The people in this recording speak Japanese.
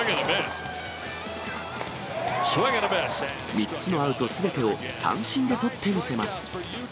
３つのアウトすべてを三振でとって見せます。